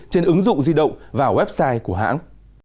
trên ứng dụng di động và website của hãng